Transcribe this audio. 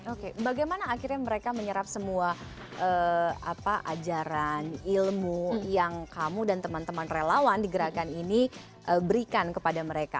oke bagaimana akhirnya mereka menyerap semua ajaran ilmu yang kamu dan teman teman relawan di gerakan ini berikan kepada mereka